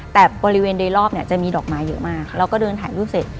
แต่บริเวณโดยรอบเนี่ยจะมีดอกไม้เยอะมากเราก็เดินถ่ายรูปเสร็จ